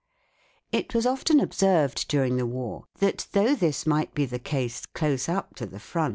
It was often observed during the War that, though this might be the case close up to the front, yet the S (Sun) Olrse.